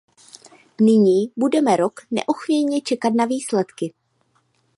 Nyní budeme rok neochvějně čekat na výsledky.